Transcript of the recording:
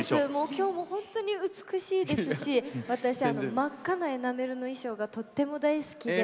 今日も本当に美しいですし私真っ赤なエナメルの衣装がとっても大好きで。